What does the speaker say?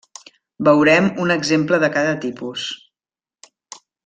Veurem un exemple de cada tipus.